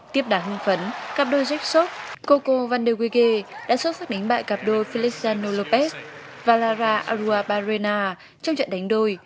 tiếp đà hương phấn cặp đôi zexox coco van der weyker đã xuất sắc đánh bại cặp đôi feliciano lopez và lara aruaparena trong trận đánh đôi